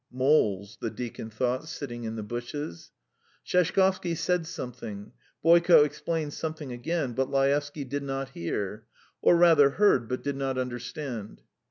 "Moles," the deacon thought, sitting in the bushes. Sheshkovsky said something, Boyko explained something again, but Laevsky did not hear or rather heard, but did not understand.